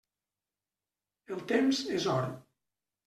El temps és or.